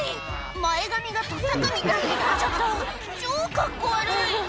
前髪がとさかみたいになっちゃった超カッコ悪い